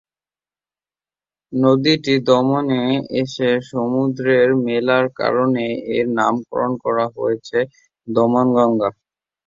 নদীটি দমনে এসে সমুদ্রে মেলার কারণে এর নামকরণ করা হয়েছে দমন গঙ্গা।